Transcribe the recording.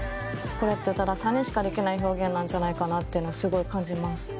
これって宇多田さんにしかできない表現なんじゃないかなっていうのはすごい感じます。